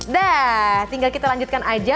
dah tinggal kita lanjutkan aja